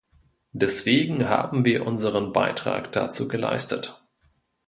Deswegen haben wir unseren Beitrag dazu geleistet.